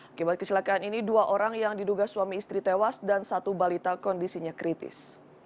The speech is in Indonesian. akibat kecelakaan ini dua orang yang diduga suami istri tewas dan satu balita kondisinya kritis